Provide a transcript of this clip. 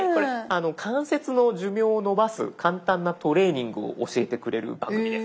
関節の寿命を延ばす簡単なトレーニングを教えてくれる番組です。